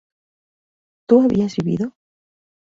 ¿tú habías vivido?